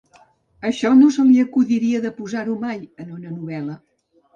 Això no se li acudiria de posar-ho mai, en una novel·la.